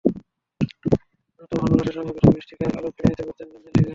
নতুবা হন্ডুরাসের সঙ্গে প্রীতি ম্যাচটিতে কাল আলো কেড়ে নিতে পারতেন গঞ্জালো হিগুয়েইনও।